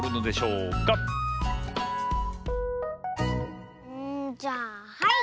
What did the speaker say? うんじゃあはい！